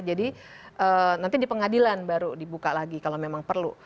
jadi nanti di pengadilan baru dibuka lagi kalau memang perlu